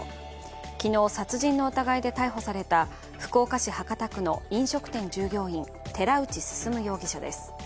昨日、殺人の疑いで逮捕された福岡市博多区の飲食店従業員、寺内進容疑者です。